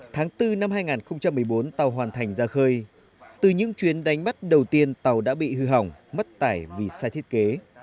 tháng bốn năm hai nghìn một mươi bốn tàu hoàn thành ra khơi từ những chuyến đánh bắt đầu tiên tàu đã bị hư hỏng mất tải vì sai thiết kế